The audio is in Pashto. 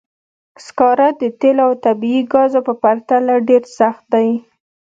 سکاره د تېلو او طبیعي ګازو په پرتله ډېر سخت دي.